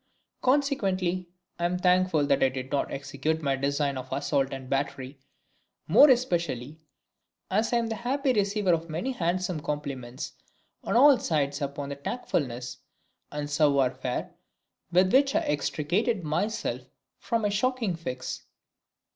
Consequently I am thankful that I did not execute my design of assault and battery, more especially as I am the happy receiver of many handsome compliments on all sides upon the tactfulness and savoir faire with which I extricated myself from my shocking fix.